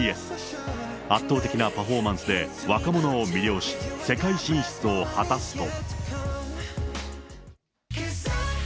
圧倒的なパフォーマンスで若者を魅了し、世界進出を果たすと。